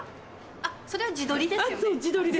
あっそれは。地鶏です。